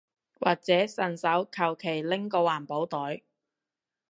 或者順手求其拎個環保袋